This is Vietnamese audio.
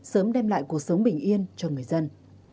sớm đem lại cuộc sống bình yên cho người dân